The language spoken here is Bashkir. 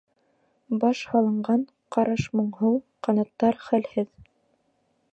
Баш һалынған, ҡараш моңһоу, ҡанаттар хәлһеҙ.